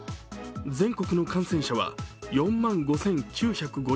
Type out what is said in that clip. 全国の感染者は４万５９５５人。